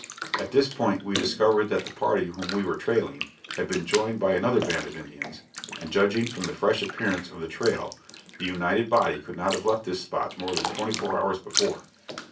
At this point we discovered that the party whom we were trailing had been joined by another band of Indians, and, judging from the fresh appearance of the trail, the united body could not have left this spot more than twenty four hours before.